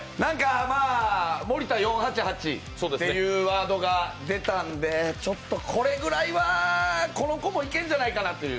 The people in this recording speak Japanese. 森田４８８というワードが出たんで、ちょっとこれぐらいはこの子もいけんじゃないかなという。